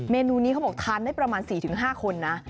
เมนูนี้เขาบอกทานได้ประมาณ๔๕คนนะ